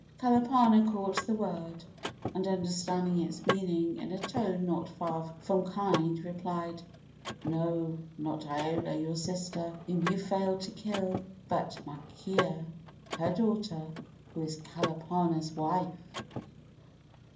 Kalapana caught the word, and, understanding its meaning, in a tone not far from kind replied: "No, not Iola, your sister, whom you failed to kill, but Makea, her daughter, who is Kalapana's wife."